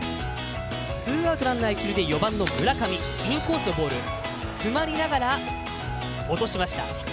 ツーアウトランナー、一塁で４番の村上インコースのボール詰まりながら落としました。